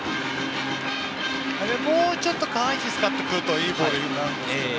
もうちょっと下半身使ってくるといいボールになるんですけどね。